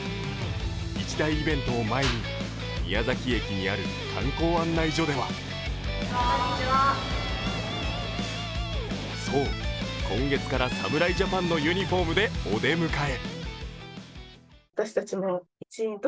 一大イベントを前に宮崎駅にある観光案内所ではそう、今月から侍ジャパンのユニフォームでお出迎え。